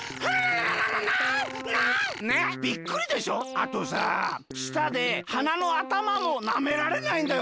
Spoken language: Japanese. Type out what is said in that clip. あとさしたではなのあたまもなめられないんだよ！